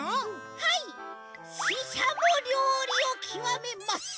はいししゃもりょうりをきわめます！